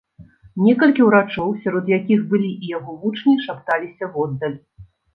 Некалькі ўрачоў, сярод якіх былі і яго вучні, шапталіся воддаль.